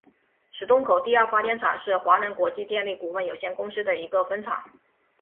石洞口第二发电厂是华能国际电力股份有限公司的一个分厂。